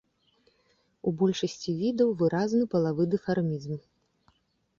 У большасці відаў выразны палавы дымарфізм.